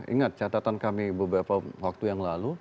ingat catatan kami beberapa waktu yang lalu